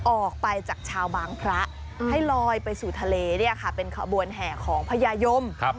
ออกไปจากชาวบางพระให้ลอยไปสู่ทะเลเนี่ยค่ะเป็นขบวนแห่ของพญายม